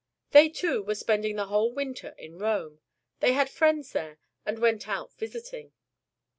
They too were spending the whole winter in Rome: they had friends there and went out visiting.